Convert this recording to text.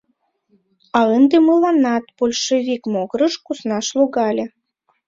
А ынде мыланнат большевик могырыш куснаш логале.